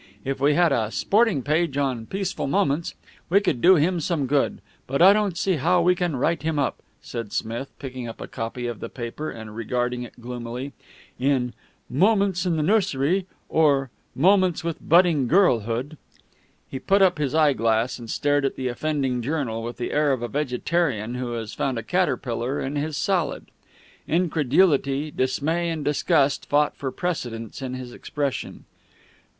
If we had a sporting page on Peaceful Moments we could do him some good, but I don't see how we can write him up," said Smith, picking up a copy of the paper, and regarding it gloomily, "in 'Moments in the Nursery' or 'Moments with Budding Girlhood.'" He put up his eyeglass, and stared at the offending journal with the air of a vegetarian who has found a caterpillar in his salad. Incredulity, dismay, and disgust fought for precedence in his expression.